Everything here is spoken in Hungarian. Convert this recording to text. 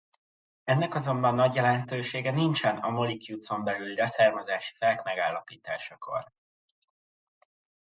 Ennek azonban nagy jelentősége nincsen a Mollicutes-en belüli leszármazási fák megállapításakor.